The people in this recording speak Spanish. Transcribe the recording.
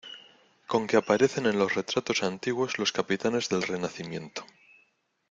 con que aparecen en los retratos antiguos los capitanes del Renacimiento: